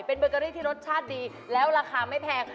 เป็นเบอร์เกอรี่ที่รสชาติดีแล้วราคาไม่แพง